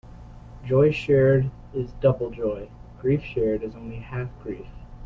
Joy shared is double joy; grief shared is only half grief.